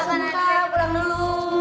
selamat pulang dulu